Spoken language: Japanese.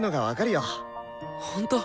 ほんと！？